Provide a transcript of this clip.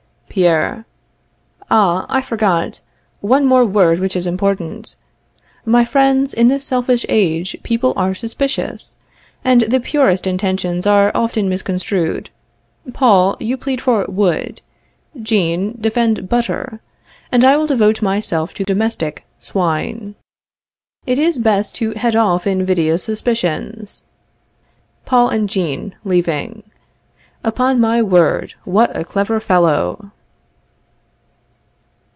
Pierre. Ah, I forgot. One word more which is important. My friends, in this selfish age people are suspicious, and the purest intentions are often misconstrued. Paul, you plead for wood; Jean, defend butter; and I will devote myself to domestic swine. It is best to head off invidious suspicions. Paul and Jean (leaving). Upon my word, what a clever fellow!